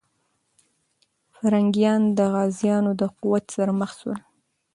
پرنګیان د غازيانو د قوت سره مخ سول.